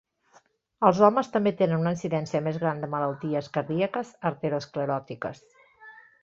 Els homes també tenen una incidència més gran de malalties cardíaques ateroscleròtiques.